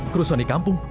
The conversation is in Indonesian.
kerusuhan di kampung